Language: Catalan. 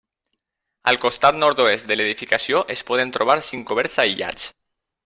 Al costat nord-oest de l'edificació es poden trobar cinc coberts aïllats.